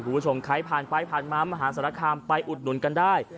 คุณผู้ชมใครผ่านไปผ่านมามหาสารคามไปอุดหนุนกันได้